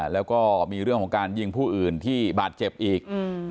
แล้วก็มีเรื่องของการยิงผู้อื่นที่บาดเจ็บอีก